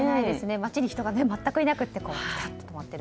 街に人が全くいなくって。